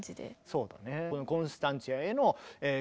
そうだね。